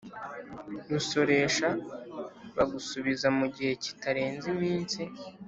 Rusoresha bugasubiza mu gihe kitarenze iminsi